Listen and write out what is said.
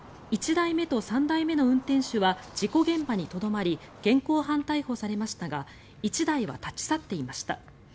１台目と３台目の運転手は事故現場にとどまり現行犯逮捕されましたが１台は立ち去っていました。